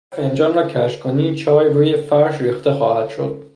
اگر فنجان را کج کنی چای روی فرش ریخته خواهد شد.